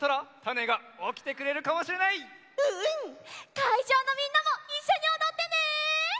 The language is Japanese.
かいじょうのみんなもいっしょにおどってね！